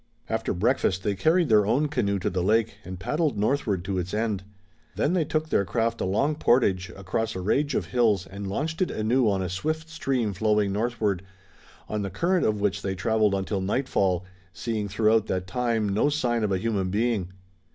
After breakfast they carried their own canoe to the lake and paddled northward to its end. Then they took their craft a long portage across a range of hills and launched it anew on a swift stream flowing northward, on the current of which they traveled until nightfall, seeing throughout that time no sign of a human being.